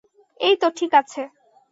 এইতো ঠিক আছে।